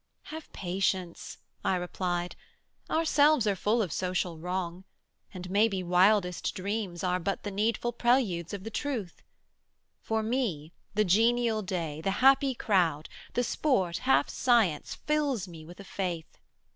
'Have patience,' I replied, 'ourselves are full Of social wrong; and maybe wildest dreams Are but the needful preludes of the truth: For me, the genial day, the happy crowd, The sport half science, fill me with a faith.